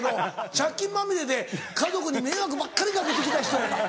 借金まみれで家族に迷惑ばっかり掛けて来た人やねん。